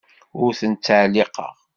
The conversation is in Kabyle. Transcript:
Ur ten-ttɛelliqeɣ.